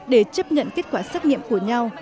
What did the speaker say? để chấp nhận kết quả xét nghiệm của nhau